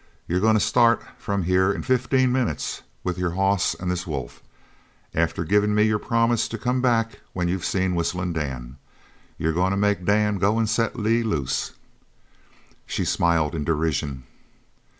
You're goin' to start from here in fifteen minutes with your hoss an' this wolf, after givin' me your promise to come back when you've seen Whistlin' Dan. You're goin' to make Dan go an' set Lee loose." She smiled in derision.